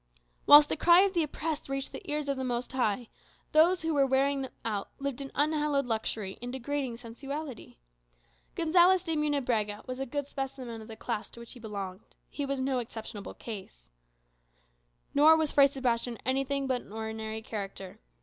Whilst the cry of the oppressed reached the ears of the Most High, those who were "wearing them out" lived in unhallowed luxury, in degrading sensuality. Gonzales de Munebrãga was a good specimen of the class to which he belonged he was no exceptional case. Nor was Fray Sebastian anything but an ordinary character.